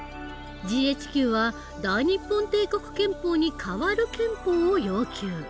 ＧＨＱは大日本帝国憲法に代わる憲法を要求。